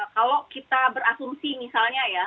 kalau kita berasumsi misalnya ya